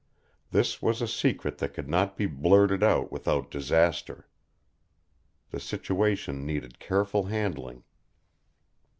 This was a secret that could not be blurted out without disaster. The situation needed careful handling.